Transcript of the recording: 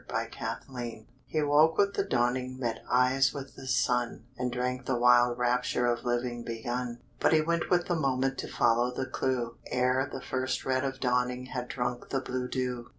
The Wayfarer He woke with the dawning Met eyes with the sun, And drank the wild rapture Of living begun. But he went with the moment To follow the clue, Ere the first red of dawning Had drunk the blue dew.